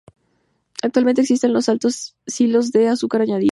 Actualmente, existen los altos silos de azúcar añadido.